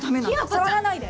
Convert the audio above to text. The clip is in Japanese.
触らないで！